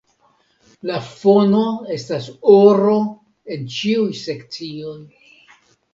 La fono estas oro en ĉiuj sekcioj.